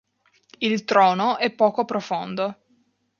Il trono è poco profondo.